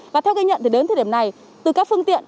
và theo ghi nhận thì đến thời điểm này từ các phương tiện